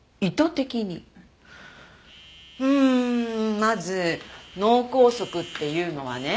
うんまず脳梗塞っていうのはね。